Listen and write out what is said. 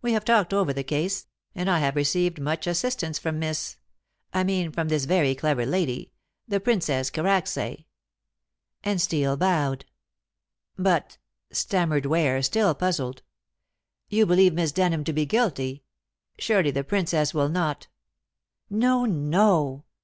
We have talked over the case, and I have received much assistance from Miss I mean from this very clever lady, the Princess Karacsay," and Steel bowed. "But," stammered Ware, still puzzled, "you believe Miss Denham to be guilty. Surely the Princess will not " "No, no!"